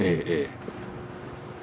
ええええ。